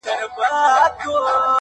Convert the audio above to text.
چي په زړه کي څه در تېر نه سي آسمانه-